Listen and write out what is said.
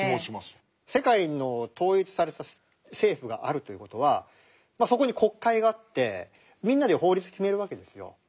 世界の統一された政府があるという事はまあそこに国会があってみんなで法律決めるわけですよ。